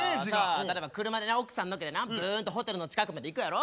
例えば車でな奥さん乗っけてなブーンとホテルの近くまで行くやろ。